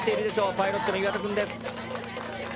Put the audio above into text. パイロットの岩田くんです。